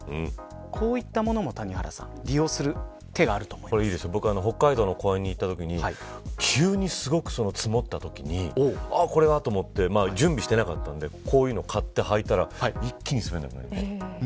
こういったものも北海道に行ったときに急に積もったときにこれはと思って準備していなかったのでこういうものを買って履いたら一気に滑らなくなりました。